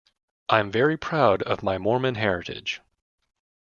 I'm very proud of my Mormon heritage.